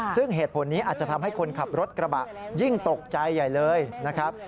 ซึ่งเหตุผลนี้อาจจะทำให้คนขับรถกระบะยิ่งตกใจใหญ่เลยนะครับ